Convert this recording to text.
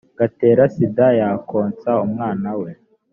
gatera sida yakonsa umwana we